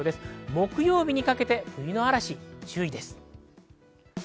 木曜日にかけて冬の嵐に注意です。